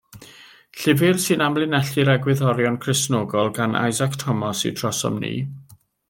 Llyfr sy'n amlinellu'r egwyddorion Cristnogol gan Isaac Thomas yw Trosom Ni.